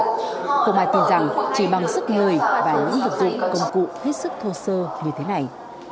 không ai tin rằng chỉ bằng sức người và những vật dụng công cụ hết sức thô sơ như thế này